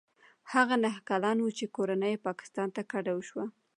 هغه نهه کلن و چې کورنۍ یې پاکستان ته کډه شوه.